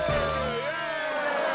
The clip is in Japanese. イエーイ！